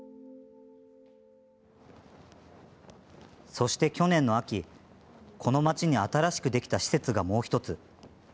そして去年の秋、この町に新しくできた施設がもう１つ。